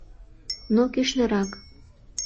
Но кӱшнырак.